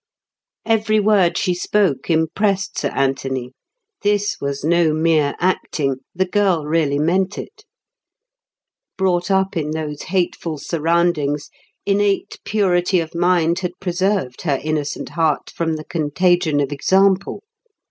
Every word she spoke impressed Sir Anthony. This was no mere acting; the girl really meant it. Brought up in those hateful surroundings, innate purity of mind had preserved her innocent heart from the contagion of example.